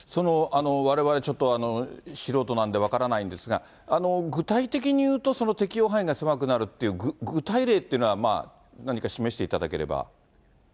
われわれ、ちょっと、素人なんで分からないんですが、具体的に言うと、適用範囲が狭くなるっていう、具体例っていうのは、何か示していただければ。